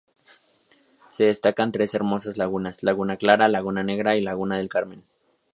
Se destacan tres hermosas lagunas: Laguna clara, Laguna negra y Laguna del Carmen.